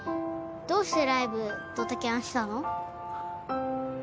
どうしてライブドタキャンしたの？